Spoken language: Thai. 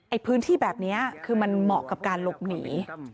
พื้นที่แบบนี้คือมันเหมาะกับการหลบหนี